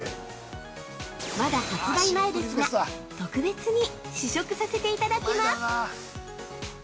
◆ミルクとホイップ？◆まだ発売前ですが、特別に試食させていただきます。